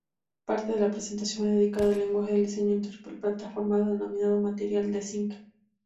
Parte de la presentación fue dedicada al lenguaje de diseño inter-plataformado denominado "Material Design".